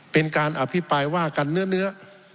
เป็นการอภิปรายว่ากันเนื้อ